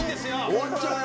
終わっちゃうよ。